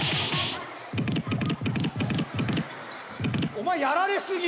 お前やられ過ぎ。